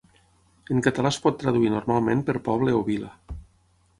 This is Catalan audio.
En català es pot traduir normalment per poble o vila.